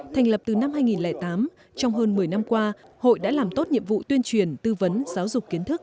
thành lập từ năm hai nghìn tám trong hơn một mươi năm qua hội đã làm tốt nhiệm vụ tuyên truyền tư vấn giáo dục kiến thức